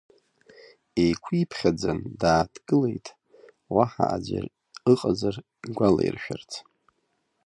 Еиқәиԥхьаӡан, дааҭгылеит, уаҳа аӡәыр ыҟазар игәалаиршәарц.